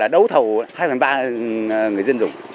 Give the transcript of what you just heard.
đấu thầu hai phần ba người dân dùng